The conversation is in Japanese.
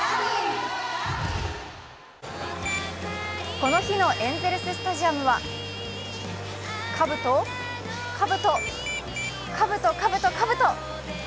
この日のエンゼルススタジアムはかぶと、かぶと、かぶと、かぶと、かぶと！